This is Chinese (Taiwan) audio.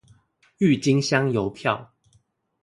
鬱金香郵票